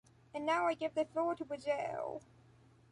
And now I give the floor to Brazil.